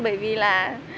bởi vì là